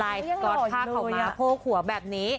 ลายก็ดไพร่มาโภกหัวแบบนี้